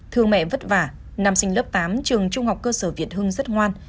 thương mẹ vất vả nằm sinh lớp tám trường trung học cơ sở việt hưng rất hoan